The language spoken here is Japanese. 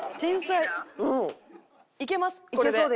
いけます